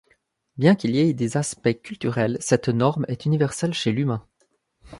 Bien qu'il y ait des aspects culturels, cette norme est universelle chez l'humain.